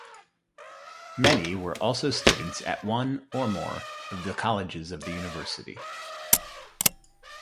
Many were also students at one (or more) of the colleges of the University.